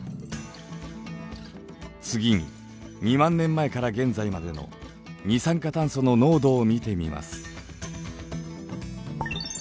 次に２万年前から現在までの二酸化炭素の濃度を見てみます。